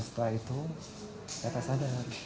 setelah itu kita sadar